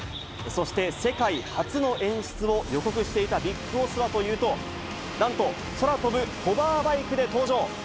そして、世界初の演出を予告していたＢＩＧＢＯＳＳはというと、なんと、空飛ぶホバーバイクで登場。